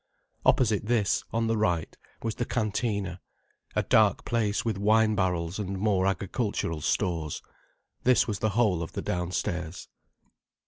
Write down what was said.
Opposite this, on the right, was the cantina, a dark place with wine barrels and more agricultural stores. This was the whole of the downstairs.